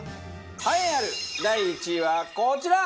栄えある第１位はこちら！